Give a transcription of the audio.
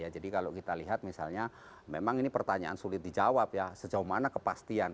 jadi kalau kita lihat memang ini pertanyaan sulit dijawab ya sejauh mana kepastian